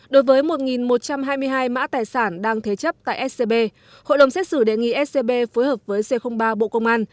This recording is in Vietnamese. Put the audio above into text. đối với một một trăm hai mươi hai mã tài sản đang thế chấp tại scb hội đồng xét xử đề nghị scb phối hợp với c ba bộ công an